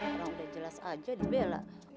karena udah jelas aja dibela